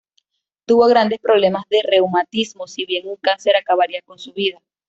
Tuvo graves problemas de reumatismo, si bien un cáncer acabaría con su vida.